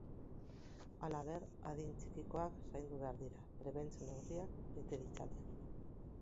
Halaber, adin txikikoak zaindu behar dira, prebentzio neurriak bete ditzaten.